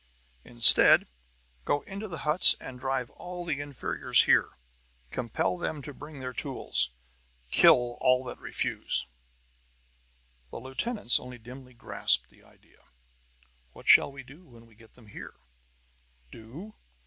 Instead, go into the huts and drive all the inferiors here! Compel them to bring their tools! Kill all that refuse!" The lieutenants only dimly grasped the idea. "What shall we do when we get them here?" "Do?